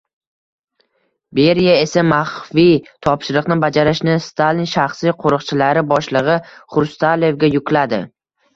Beriya esa maxfiy topshiriqni bajarishni Stalin shaxsiy qoʻriqchilari boshligʻi Xrustalevga yukladi